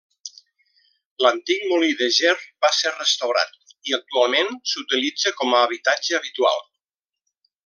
L'antic molí de Ger va ser restaurat i actualment s'utilitza com a habitatge habitual.